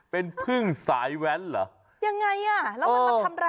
เป็นพึ่งสายแว๊นเหรอ